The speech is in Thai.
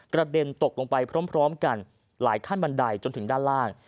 เด็นตกลงไปพร้อมกันหลายขั้นบันไดจนถึงด้านล่าง